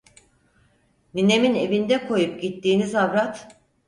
Ninemin evinde koyup gittiğiniz avrat…